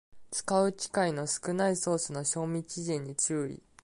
使う機会の少ないソースの賞味期限に注意